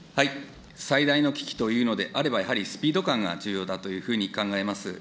最大の危機と言うのであれば、やはりスピード感が重要だというふうに考えます。